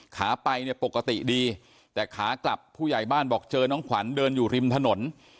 ขาไปเนี่ยปกติดีแต่ขากลับผู้ใหญ่บ้านบอกเจอน้องขวัญเดินอยู่ริมถนน